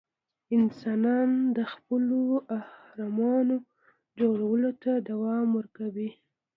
انسانان د خپلو اهرامونو جوړولو ته دوام ورکوي.